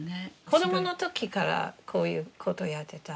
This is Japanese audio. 子どもの時からこういうことやってた？